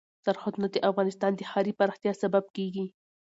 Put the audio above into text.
سرحدونه د افغانستان د ښاري پراختیا سبب کېږي.